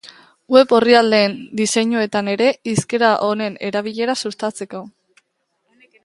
Web orrialdeen diseinuetan ere hizkera honen erabilera sustatzeko.